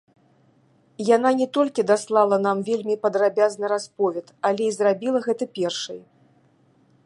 Яна не толькі даслала нам вельмі падрабязны расповед, але і зрабіла гэта першай.